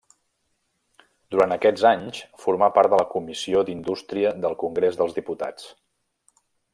Durant aquests anys formà part de la Comissió d'Indústria del Congrés dels Diputats.